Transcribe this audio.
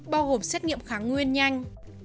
bao gồm xét nghiệm kháng nguyên nhanh